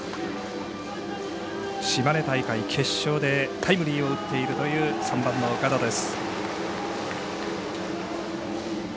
島根大会決勝でタイムリーを打っているという３番の岡田です。